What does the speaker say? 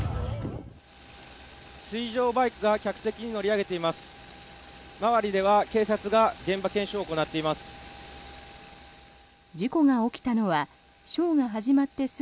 水上バイクが客席に乗り上げています。